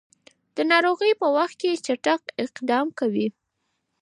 د ناروغۍ په وخت کې چټک اقدام کوي.